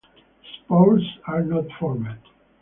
Spores are not formed.